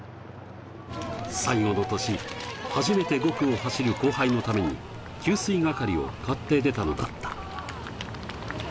最後の年、初めて５区を走る後輩のために、給水係を買って出たのだった。